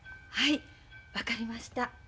はい分かりました。